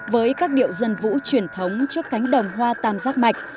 với các điệu dân vũ truyền thống trước cánh đồng hoa tam giác mạch